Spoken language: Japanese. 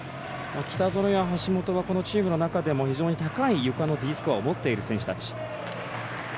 北園や橋本はチームの中でも非常に高いゆかのＤスコアを持っている選手たち。